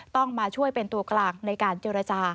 ต้องมาช่วยเป็นตัวกลางในการเจรจา